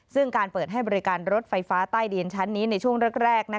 ซึ่งการเปิดให้บริการรถไฟฟ้าใต้ดินชั้นนี้ในช่วงแรก